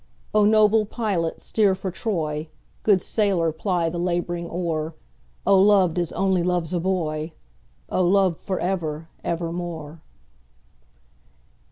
O noble pilot steer for Troy, Good sailor ply the labouring oar,O loved as only loves a boy!O loved for ever evermore!